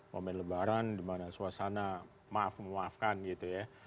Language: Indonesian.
momen lebaran dimana suasana maaf memaafkan gitu ya